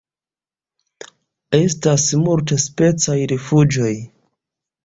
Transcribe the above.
Estas multspecaj rifuĝoj.